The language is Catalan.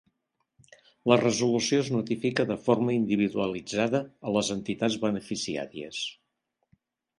La resolució es notifica de forma individualitzada a les entitats beneficiàries.